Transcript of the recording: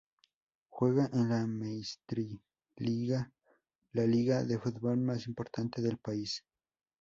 Juega en la Meistriliiga, la liga de fútbol más importante del país.